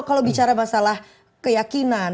kalau bicara masalah keyakinan